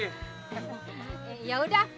eh mpo ya udah